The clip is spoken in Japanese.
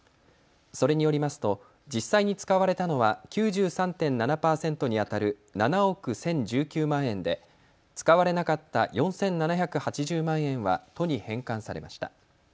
それによりますと実際に使われたのは９３．７％にあたる７億１０１９万円で使われなかった４７８０万円は都に返還されました。